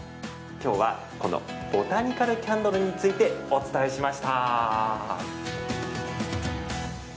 きょうは、このボタニカルキャンドルについてお伝えしました。